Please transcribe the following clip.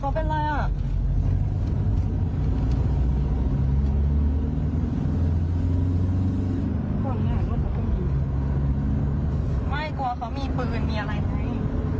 ตรงนี้อ่ะรถเขาก็มีไม่กลัวเขามีปืนมีอะไรไหม